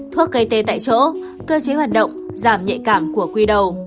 thuốc gây tê tại chỗ cơ chế hoạt động giảm nhạy cảm của quy đầu